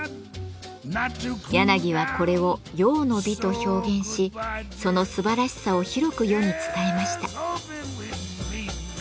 柳はこれを「用の美」と表現しそのすばらしさを広く世に伝えました。